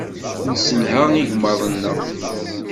Nesselha igmaḍ-nneɣ.